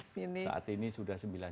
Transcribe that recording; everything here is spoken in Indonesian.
saat ini sudah sembilan